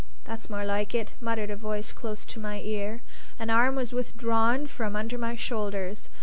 "That's more like it!" muttered a voice close to my ear. An arm was withdrawn from under my shoulders.